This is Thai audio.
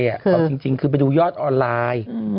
เอาจริงคือไปดูยอดออนไลน์